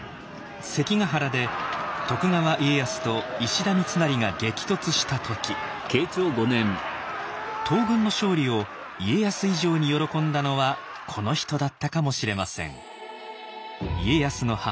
関ヶ原で徳川家康と石田三成が激突した時東軍の勝利を家康以上に喜んだのはこの人だったかもしれません。